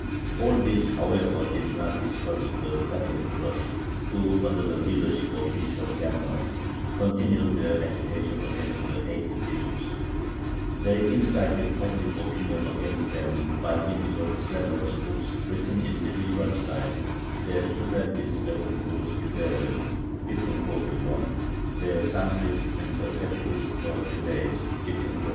All this, however, did not discourage the Catholic clergy, who, under the leadership of Bishop Gamrat, continued their agitation against the hated Jews. They incited public opinion against them by means of slanderous books, written in medieval style (De stupendis erroribus Judaeorum, 1541; De sanctis interfectis a Judaeis, 1543).